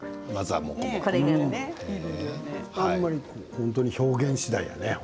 本当に表現しだいでね。